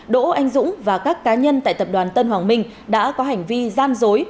đỗ anh dũng và các cá nhân tại tập đoàn tân hoàng minh đã có hành vi gian dối